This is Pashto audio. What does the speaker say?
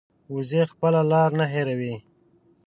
وزې خپله لار نه هېروي